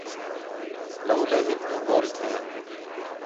لَولے ہِک ݙِین٘ہوں ٹول تھئین